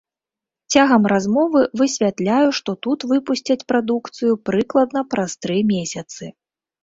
Цягам размовы высвятляю, што тут выпусцяць прадукцыю прыкладна праз тры месяцы.